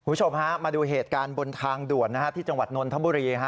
คุณผู้ชมฮะมาดูเหตุการณ์บนทางด่วนที่จังหวัดนนทบุรี